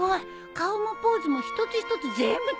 顔もポーズも一つ一つ全部違うよ。